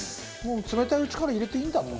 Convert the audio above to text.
冷たいうちから入れていいんだと。